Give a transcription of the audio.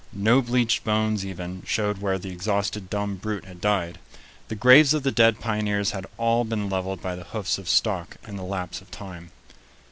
No bleached bones, even, showed where the exhausted dumb brute had died. The graves of the dead pioneers had all been leveled by the hoofs of stock and the lapse of time.